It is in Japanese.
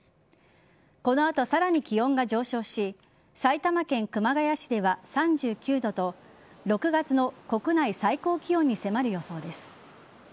この後、さらに気温が上昇し埼玉県熊谷市では３９度と６月の国内最高気温に迫る予想です。